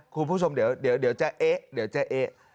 คุณผู้ชมเดี๋ยวจะเอ๊ะเดี๋ยวจะเอ๊ะ